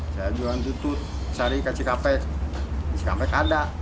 saya jualan tutut cari kecik kapai kecik kapai gak ada